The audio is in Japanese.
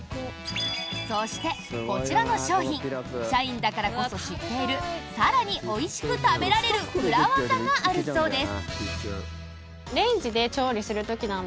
そして、こちらの商品社員だからこそ知っている更においしく食べられる裏ワザがあるそうです。